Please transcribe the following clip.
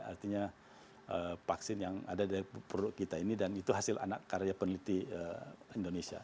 artinya vaksin yang ada dari produk kita ini dan itu hasil anak karya peneliti indonesia